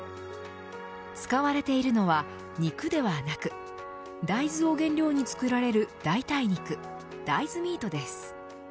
使われているのは、肉ではなく大豆を原料に作られる代替肉大豆ミートです。